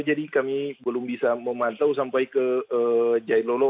jadi kami belum bisa memantau sampai ke jailolo